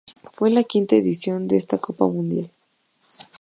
Fue la quinta edición de esta copa mundial.